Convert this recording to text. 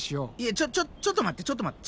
ちょちょちょっと待ってちょっと待って。